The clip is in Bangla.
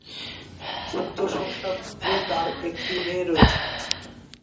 উক্ত সংসারে তাঁর একটি মেয়ে রয়েছে।